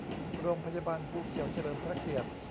โรงพยาบาลภูเขียวเฉลิมพระเกียรติ